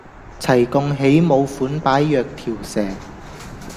齊共起舞款擺若條蛇